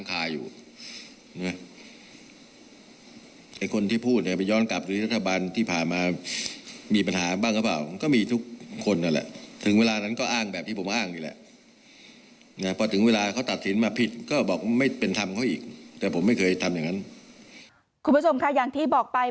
คุณผู้ชมค่ะอย่างที่บอกไป